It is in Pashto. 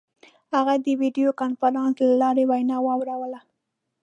هغه د ویډیو کنفرانس له لارې وینا واوروله.